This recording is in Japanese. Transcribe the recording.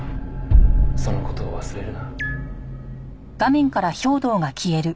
「その事を忘れるな」